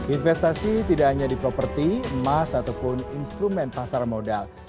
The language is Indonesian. investasi tidak hanya di properti emas ataupun instrumen pasar modal